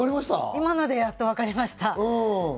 今のでやっと分かりました。